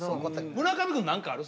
村上くん何かある？